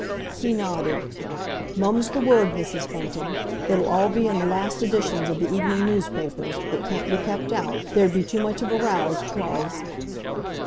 He nodded. "Mum's the word, Mrs. Bunting! It'll all be in the last editions of the evening newspapers—it can't be kep' out. There'd be too much of a row if 'twas!"